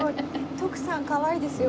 徳さんかわいいですよ。